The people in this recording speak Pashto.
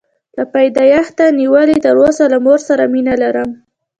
له پیدایښته نیولې تر اوسه له مور سره مینه لرم.